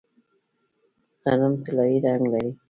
غنم طلایی رنګ لري.